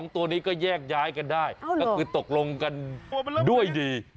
ตัวนี้ก็แยกย้ายกันได้ก็คือตกลงกันด้วยดี